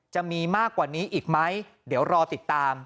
จะมีมากกว่านี้อีกไหมเดี๋ยวรอติดตาม